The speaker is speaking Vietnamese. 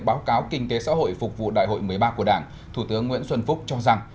báo cáo kinh tế xã hội phục vụ đại hội một mươi ba của đảng thủ tướng nguyễn xuân phúc cho rằng